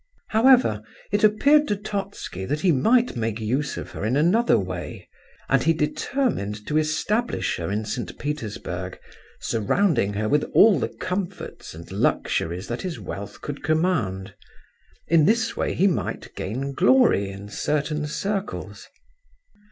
However, it appeared to Totski that he might make use of her in another way; and he determined to establish her in St. Petersburg, surrounding her with all the comforts and luxuries that his wealth could command. In this way he might gain glory in certain circles.